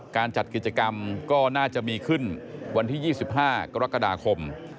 การจัดกิจกรรมก็น่าจะมีขึ้นวันที่๒๕กรกฎาคม